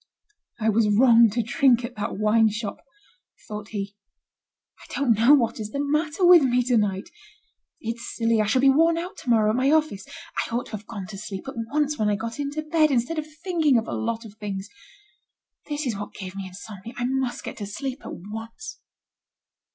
"I was wrong to drink at that wine shop," thought he. "I don't know what is the matter with me to night. It's silly. I shall be worn out to morrow at my office. I ought to have gone to sleep at once, when I got into bed, instead of thinking of a lot of things. That is what gave me insomnia. I must get to sleep at once."